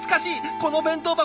この弁当箱